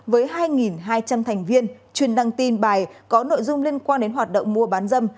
với hai hai trăm linh thành viên truyền đăng tin bài có nội dung liên quan đến hoạt động mua bán dâm